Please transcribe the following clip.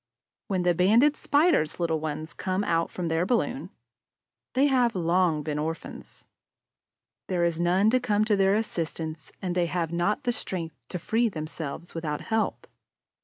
When the Banded Spider's little ones come out from their balloon, they have long been orphans. There is none to come to their assistance; and they have not the strength to free themselves without help.